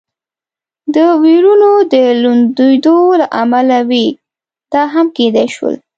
د وېرونو د لوندېدو له امله وي، دا هم کېدای شول.